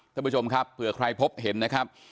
ท่านผู้ชมครับเผื่อใครพบเห็นนะครับ